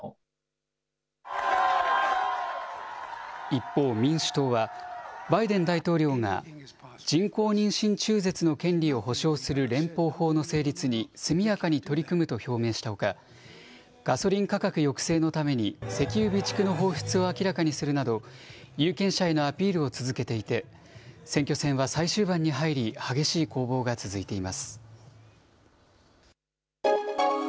一方、民主党はバイデン大統領が人工妊娠中絶の権利を保障する連邦法の成立に速やかに取り組むと表明したほか、ガソリン価格抑制のために、石油備蓄の放出を明らかにするなど、有権者へのアピールを続けていて、選挙戦は最終盤に入り激しい攻防が続いています。